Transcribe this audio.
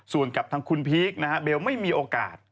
ส่วนกับทางคุณพีคนะฮะเบลไม่มีโอกาส